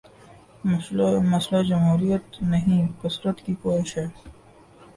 مسئلہ جمہوریت نہیں، کثرت کی خواہش ہے۔